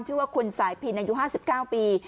ชื่อว่าคุณสายพินอายุ๕๙ปี